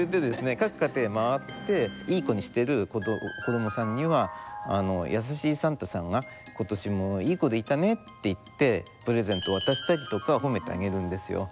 各家庭回って良い子にしてる子どもさんには優しいサンタさんが今年も良い子でいたねって言ってプレゼントを渡したりとか褒めてあげるんですよ。